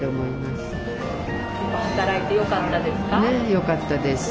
よかったです。